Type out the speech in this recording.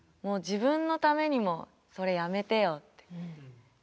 自分のためにもそれやめてよって。